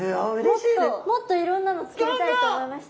もっともっといろんなの作りたいと思いました。